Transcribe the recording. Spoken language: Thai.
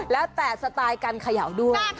แล้วแต่สไตล์การเขย่าด้วย